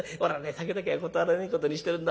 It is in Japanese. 酒だけは断らねえことにしてるんだ。